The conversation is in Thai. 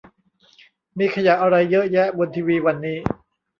มีขยะอะไรเยอะแยะบนทีวีวันนี้